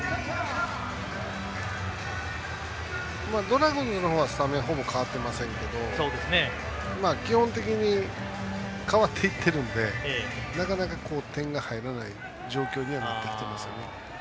ドラゴンズの方はスタメンほぼ変わっていませんけど基本的に代わっていってるんでなかなか、点が入らない状況にはなってきてますよね。